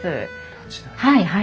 はいはい。